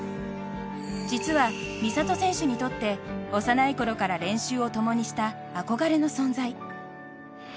実は、美里選手にとって幼いころから練習を共にした憧れの存在。